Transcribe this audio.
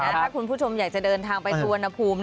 ถ้าคุณผู้ชมอยากจะเดินทางไปสู่อันนพูม